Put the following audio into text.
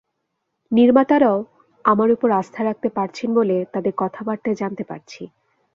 নির্মাতারাও আমার ওপর আস্থা রাখতে পারছেন বলে তাঁদের কথাবার্তায় জানতে পারছি।